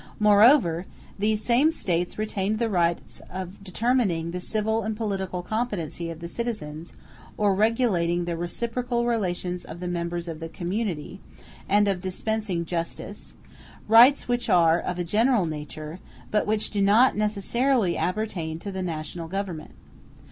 Moreover these same States retained the rights of determining the civil and political competency of the citizens, or regulating the reciprocal relations of the members of the community, and of dispensing justice; rights which are of a general nature, but which do not necessarily appertain to the national Government.